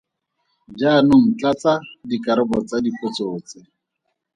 Jaanong tlatsa dikarabo tsa dipotso tse.